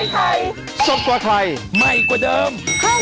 ไม่กว่าเดิม